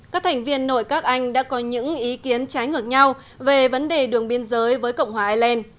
các thành viên nội các anh đã có những ý kiến trái ngược nhau về vấn đề đường biên giới với cộng hòa ireland